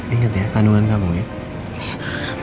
ingat ya kandungan kamu ya